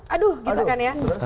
aduh gitu kan ya